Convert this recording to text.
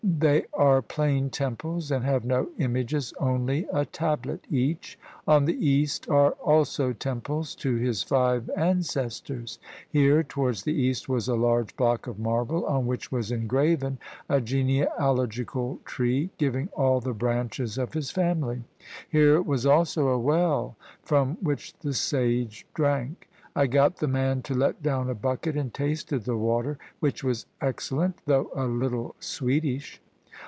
They are plain temples, and have no images, only a tablet each. On the east are also temples to his five ancestors ; here towards the east was a large block of marble, on which was engraven a genealogical tree, giving all the branches of his family; here was also a well from which the sage drank. I got the man to let down a bucket and tasted the water, which was excellent, though a little sweetish.